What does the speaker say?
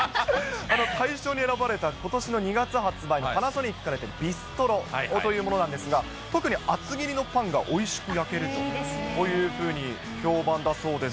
大賞に選ばれたことしの２月発売のパナソニックから出たビストロというものなんですが、特に厚切りのパンがおいしく焼けるというふうに評判だそうです。